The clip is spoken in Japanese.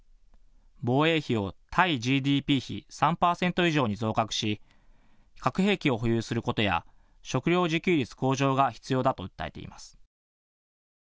防衛費を対ＧＤＰ比３％以上に増額し、核兵器を保有することや、食料自給率向上が必要だと訴えています。